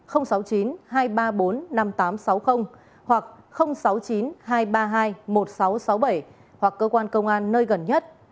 sáu mươi chín hai trăm ba mươi bốn năm nghìn tám trăm sáu mươi hoặc sáu mươi chín hai trăm ba mươi hai một nghìn sáu trăm sáu mươi bảy hoặc cơ quan công an nơi gần nhất